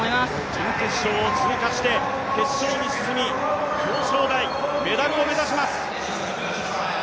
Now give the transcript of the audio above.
準決勝を通過して決勝に進み、表彰台、メダルを目指します。